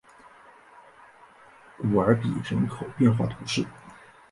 古尔比人口变化图示